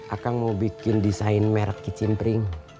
akan mau bikin desain merek kicimpring